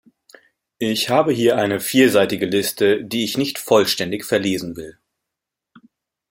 Ich habe hier eine vierseitige Liste, die ich nicht vollständig verlesen will.